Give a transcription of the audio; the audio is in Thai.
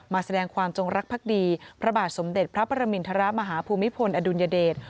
แสดงความจงรักภักดีพระบาทสมเด็จพระประมินทรมาฮภูมิพลอดุลยเดช